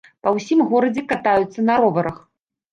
Па ўсім горадзе катаюцца на роварах.